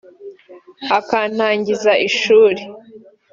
akantangiza ishuri